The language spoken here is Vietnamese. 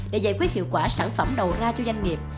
để giải quyết hiệu quả sản phẩm đầu ra cho doanh nghiệp